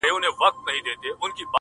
د يو مئين سړي ژړا چي څوک په زړه وچيچي_